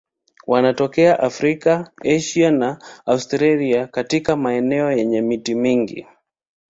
Wanatokea Afrika, Asia na Australia katika maeneo yenye miti mingi.